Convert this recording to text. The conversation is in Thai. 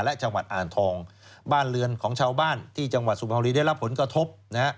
และจังหวัดอ่างทองบ้านเรือนของชาวบ้านที่จังหวัดสุพรรณบุรีได้รับผลกระทบนะฮะ